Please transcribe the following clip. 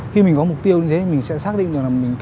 khi mình có mục tiêu thì mình sẽ xác định